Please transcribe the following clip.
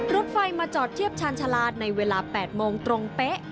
รถไฟมาจอดเทียบชาญชาลาในเวลา๘โมงตรงเป๊ะ